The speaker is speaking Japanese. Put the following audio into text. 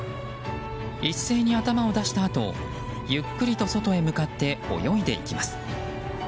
一斉に頭を出したあとゆっくりと外へ向かって泳いでいきます。